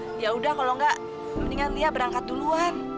hah yaudah kalau enggak mendingan lia berangkat duluan